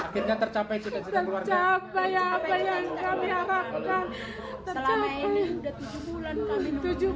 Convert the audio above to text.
kau dengarkan doa kami